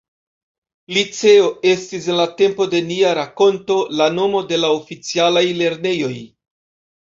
Liceo estis, en la tempo de nia rakonto, la nomo de la oficialaj lernejoj.